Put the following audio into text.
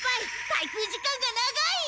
滞空時間が長い！